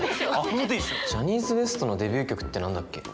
ジャニーズＷＥＳＴのデビュー曲って何だっけ？